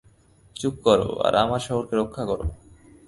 চুপ করো আর আমার শহরকে রক্ষা করো।